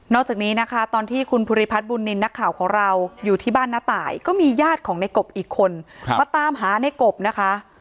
จากนี้นะคะตอนที่คุณภูริพัฒน์บุญนินทร์นักข่าวของเราอยู่ที่บ้านน้าตายก็มีญาติของในกบอีกคนมาตามหาในกบนะคะ